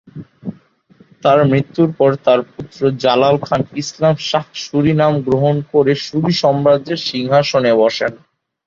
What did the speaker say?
তার মৃত্যুর পর তার পুত্র জালাল খান ইসলাম শাহ সুরি নাম গ্রহণ করে সুরি সাম্রাজ্যের সিংহাসনে বসেন।